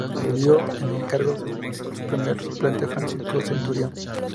Lo sucedió en el cargo su primer suplente Francisco Centurión.